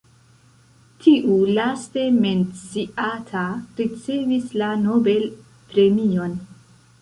Tiu laste menciata ricevis la Nobel Premion.